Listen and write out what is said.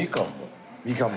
みかんも。